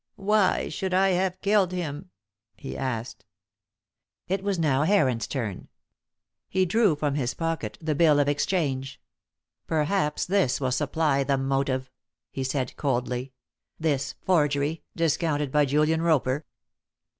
"Why should I have killed him?" he asked. It was now Heron's turn. He drew from his pocket the bill of exchange. "Perhaps this will supply the motive," he said, coldly; "this forgery, discounted by Julian Roper."